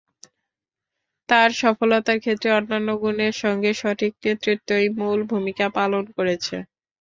তাঁর সফলতার ক্ষেত্রে অন্যান্য গুণের সঙ্গে সঠিক নেতৃত্বই মূল ভূমিকা পালন করেছে।